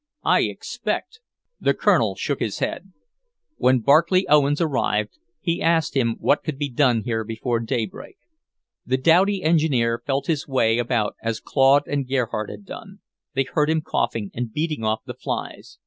"I expect!" The Colonel shook his head. When Barclay Owens arrived, he asked him what could be done here before daybreak. The doughty engineer felt his way about as Claude and Gerhardt had done; they heard him coughing, and beating off the flies.